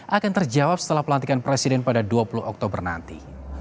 akan terjawab setelah pelantikan presiden pada dua puluh oktober nanti